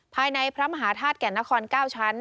ภายในพระมหาธาตุแก่นคร๙ชั้น